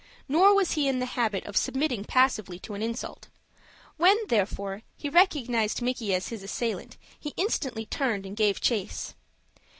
Nor was he in the habit of submitting passively to an insult. When, therefore, he recognized Micky as his assailant, he instantly turned and gave chase.